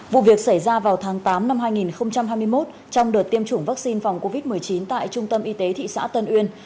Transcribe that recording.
vụ việc xảy ra vào tháng tám năm hai nghìn hai mươi một trong đợt tiêm chủng vaccine phòng covid một mươi chín tại trung tâm y tế thị xã tân uyên